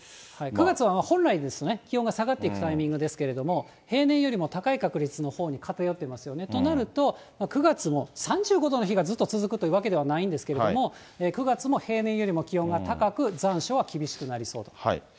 ９月は本来、気温が下がっていくタイミングですけれども、平年よりも高い確率のほうに偏ってますので、となると、９月も３５度の日がずっと続くというわけではないんですけれども、９月も平年よりも気温が高く、残暑は厳しくなりそうと。